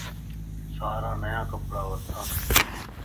سارا نيا ڪپڙا ورتان